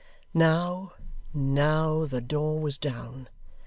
Now, now, the door was down.